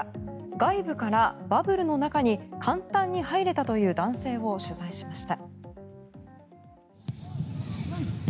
外部からバブルの中に簡単に入れたという男性を取材しました。